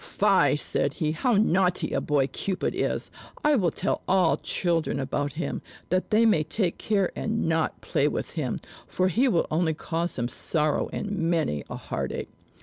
"Fie!" said he. "How naughty a boy Cupid is! I will tell all children about him, that they may take care and not play with him, for he will only cause them sorrow and many a heartache."